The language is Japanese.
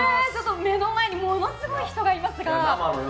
目の前にものすごい人がいますが。